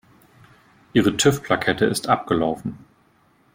Ihre TÜV-Plakette ist abgelaufen.